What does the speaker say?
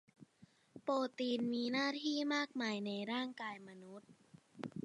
โปรตีนมีหน้าที่มากมายในร่างกายมนุษย์